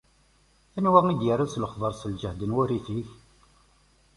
Anwa i d-irran s lexber s lǧehd n wurrif-ik?